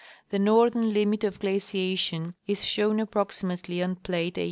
The northern limit of glaciation is shown approximately on plate 18.